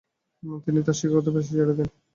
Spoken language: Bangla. তিনি তার শিক্ষকতার পেশা ছেড়ে দেন।